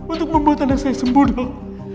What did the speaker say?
untuk membuat anak saya sembuh dok